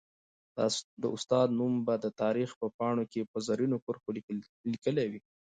د استاد نوم به د تاریخ په پاڼو کي په زرینو کرښو ليکلی وي.